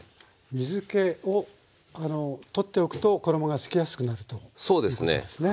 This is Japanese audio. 水けを取っておくと衣がつきやすくなるということですね。